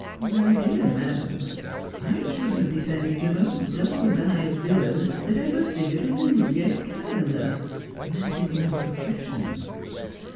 ' My dear madam, I should have defended the most double dyed villain that ever figured in the Newgate Calendar. That is my profession.